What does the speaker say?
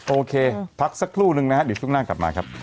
โอเคพักสักครู่หนึ่งนะครับเดี๋ยวศึกน่ามาครับ